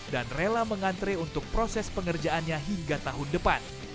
dan rela mengantre untuk proses pengerjaannya hingga tahun depan